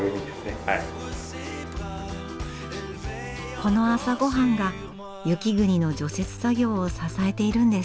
この朝ごはんが雪国の除雪作業を支えているんです。